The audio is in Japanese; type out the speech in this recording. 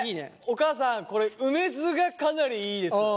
お母さんこれ梅酢がかなりいいですよ。